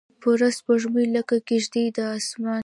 پوره سپوږمۍ لکه کیږدۍ د اسمان